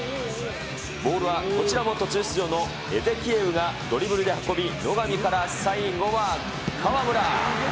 ボールはこちらも途中出場のエゼキエウがドリブルで運び、のがみから最後は川村。